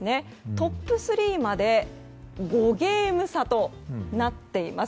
トップ３まで５ゲーム差となっています。